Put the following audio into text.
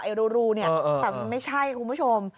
ไอ้รูเนี่ยแต่ไม่ใช่คุณผู้ชม